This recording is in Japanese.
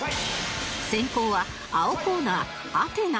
先攻は青コーナーアテナ